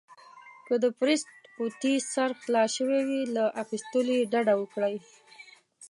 که د پرېس قوطي سر خلاص شوی وي، له اخيستلو يې ډډه وکړئ.